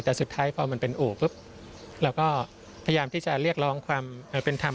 แต่สุดท้ายพอมันเป็นอู่ปุ๊บเราก็พยายามที่จะเรียกร้องความเป็นธรรม